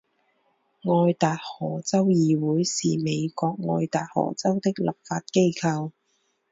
爱达荷州议会是美国爱达荷州的立法机构。